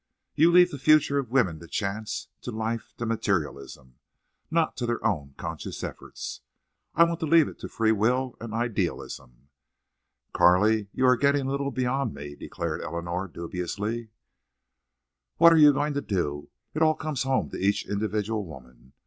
"You leave the future of women to chance, to life, to materialism, not to their own conscious efforts. I want to leave it to free will and idealism." "Carley, you are getting a little beyond me," declared Eleanor, dubiously. "What are you going to do? It all comes home to each individual woman.